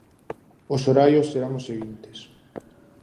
Os horarios serán os seguintes: